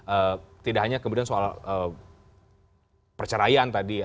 eee tidak hanya kemudian soal eee perceraian tadi